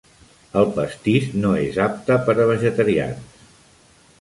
El pastís no és apte per a vegetarians.